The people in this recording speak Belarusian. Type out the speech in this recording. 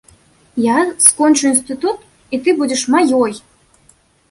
Я скончу інстытут, і ты будзеш маёй.